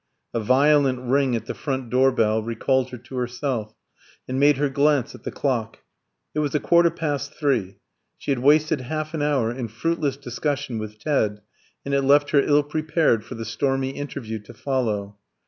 A violent ring at the front door bell recalled her to herself, and made her glance at the clock. It was a quarter past three. She had wasted half an hour in fruitless discussion with Ted, and it left her ill prepared for the stormy interview to follow.